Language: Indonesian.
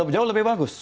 jauh lebih bagus